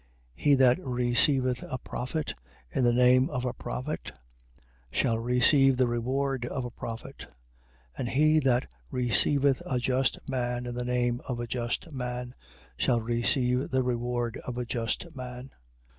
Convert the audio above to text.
10:41. He that receiveth a prophet in the name of a prophet, shall receive the reward of a prophet: and he that receiveth a just man in the name of a just man, shall receive the reward of a just man.